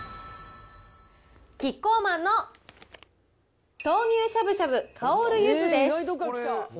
キッコーマンの豆乳しゃぶしゃぶ香る柚子です。